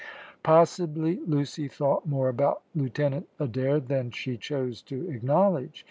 Possibly Lucy thought more about Lieutenant Adair than she chose to acknowledge.